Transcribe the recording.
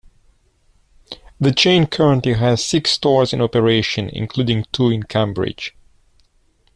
The chain currently has six stores in operation, including two in Cambridge.